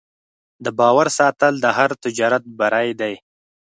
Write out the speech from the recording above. د باور ساتل د هر تجارت بری دی.